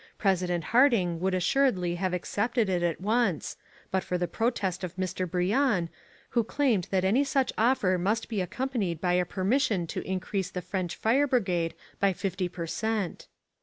President Harding would assuredly have accepted it at once but for the protest of Mr. Briand, who claimed that any such offer must be accompanied by a permission to increase the French fire brigade by fifty per cent.